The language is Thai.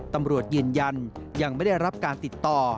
ตำรวจยืนยันยังไม่ได้รับการติดต่อ